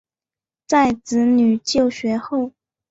在子女就学后